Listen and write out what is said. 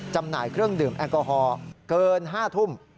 จำหน่ายเครื่องดื่มแอลกอฮอล์เกิน๕ทุ่ม